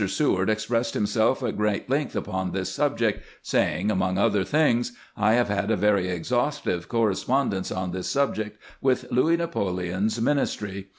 Seward expressed him self at great length upon this subject, saying among other things :" I have had a very exhaustive correspon dence on this subject with Louis Napoleon's ministry.